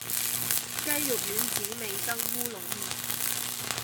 雞肉丸子味噌烏龍麵